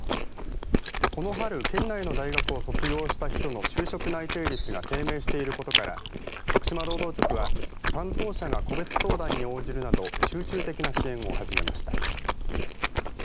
この春、県内の大学を卒業した人の就職内定率が低迷していることから徳島労働局は担当者が個別相談に応じるなど集中的な支援を始めました。